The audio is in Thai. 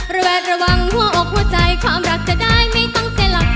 ระแวดระวังหัวอกหัวใจความรักจะได้ไม่ต้องแกหลับ